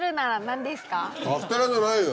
カステラじゃないよ。